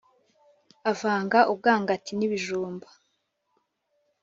Avanga ubwangati n'ibijumba